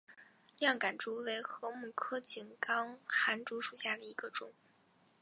亮竿竹为禾本科井冈寒竹属下的一个种。